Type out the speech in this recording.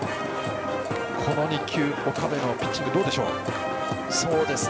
この２球、岡部のピッチングはどうでしょう。